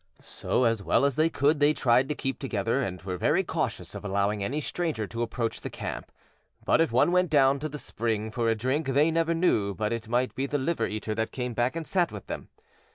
So as well as they could they tried to keep together, and were very cautious of allowing any stranger to approach the camp. But if one went down to the spring for a drink they never knew but it might be the liver eater that came back and sat with them.